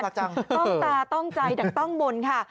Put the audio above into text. ต้องตาต้องใจดักต้องบนค่ะ